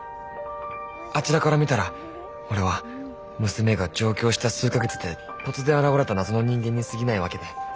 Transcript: あちらから見たら俺は娘が上京した数か月で突然現れた謎の人間にすぎないわけで。